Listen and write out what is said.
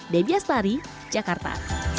debya starry jakarta